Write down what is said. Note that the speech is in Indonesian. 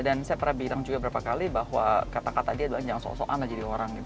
dan saya pernah bilang juga beberapa kali bahwa kata kata dia doang jangan sok sokan lah jadi orang gitu loh